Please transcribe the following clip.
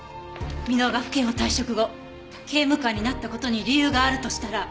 箕輪が府警を退職後刑務官になった事に理由があるとしたら。